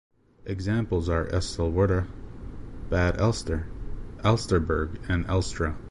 Examples are Elsterwerda, Bad Elster, Elsterberg and Elstra.